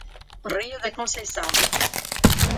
Rio da Conceição